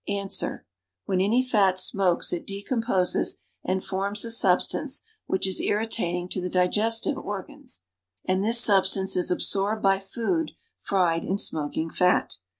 Ans. When any fat smokes, it decomposes and forms a substance which is irritating to the digestive organs, and this substance 30 is absorbed by food fried in smoking' fat.